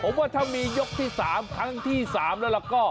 ผมว่าถ้ามียกที่สามครั้งที่สามแล้วล่ะก็